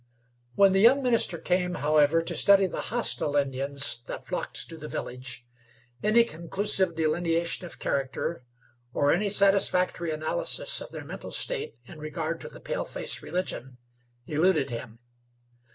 When the young minister came, however, to study the hostile Indians that flocked to the village, any conclusive delineation of character, or any satisfactory analysis of their mental state in regard to the paleface religion, eluded him.